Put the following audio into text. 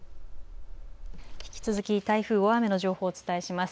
引き続き、台風、大雨の情報をお伝えします。